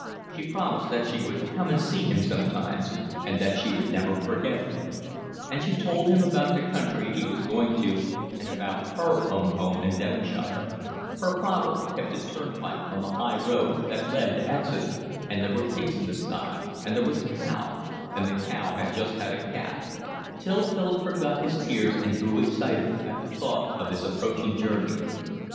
She promised that she would come and see him sometimes, and that she would never forget him; and she told him about the country he was going to and about her own home in Devonshire—her father kept a turnpike on the high road that led to Exeter, and there were pigs in the sty, and there was a cow, and the cow had just had a calf—till Philip forgot his tears and grew excited at the thought of his approaching journey.